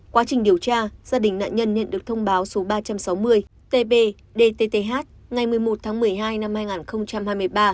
quá trình điều tra gia đình nạn nhân nhận được thông báo số ba trăm sáu mươi tb dt ngày một mươi một tháng một mươi hai năm hai nghìn hai mươi ba